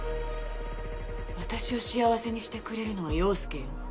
私を幸せにしてくれるのは陽佑よ。